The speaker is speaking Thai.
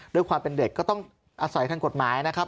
ด้วยความเป็นเด็กก็ต้องอาศัยทางกฎหมายนะครับ